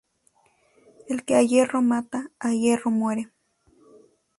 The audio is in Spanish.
El que a hierro mata, a hierro muere